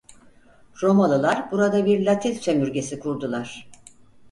Romalılar burada bir Latin sömürgesi kurdular.